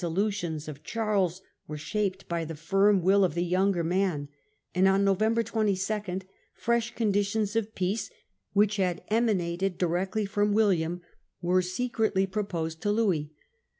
lutions of Charles were shaped by the firm will of the younger man; and on November 22 fresh conditions Fresh pro* of peace, which had emanated directly from refused by William, were secretly^roposed to Louis.